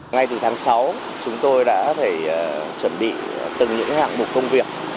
ngay từ tháng sáu chúng tôi đã phải chuẩn bị từng những hạng mục công việc